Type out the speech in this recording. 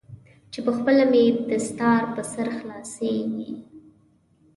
چې پخپله مې دستار پر سر خلاصیږي.